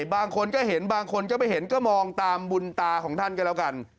บางคนก็เห็นบางคนก็ไม่เห็นก็มองตามบุญตาของท่านก็แล้วกัน